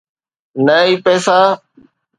نه ئي پئسا.